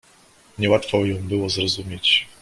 "Nie łatwo ją było zrozumieć."